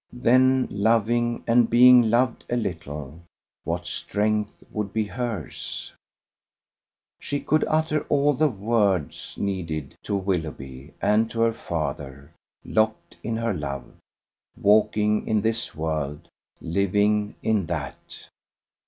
Then, loving and being loved a little, what strength would be hers! She could utter all the words needed to Willoughby and to her father, locked in her love: walking in this world, living in that.